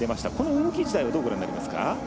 動き自体はどうご覧になりますか？